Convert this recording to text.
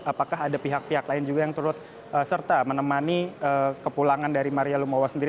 apakah ada pihak pihak lain juga yang turut serta menemani kepulangan dari maria lumawa sendiri